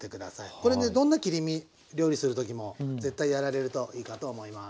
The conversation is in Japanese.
これねどんな切り身料理する時も絶対やられるといいかと思います。